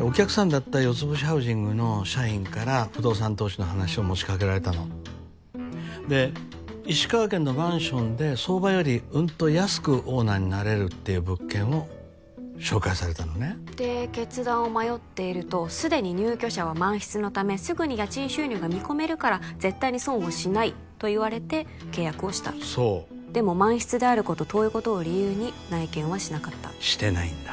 お客さんだった四つ星ハウジングの社員から不動産投資の話を持ち掛けられたので石川県のマンションで相場よりうんと安くオーナーになれるっていう物件を紹介されたのねで決断を迷っていると既に入居者は満室のためすぐに家賃収入が見込めるから絶対に損をしないと言われて契約をしたそうでも満室であること遠いことを理由に内見はしなかったしてないんだ